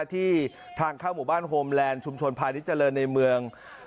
ที่ทางเข้าหมู่บ้านโฮมแลนด์ชุมชนพาณิชยเจริญในเมือง